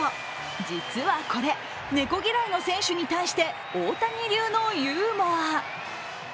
実はこれ、猫嫌いの選手に対して大谷流のユーモア。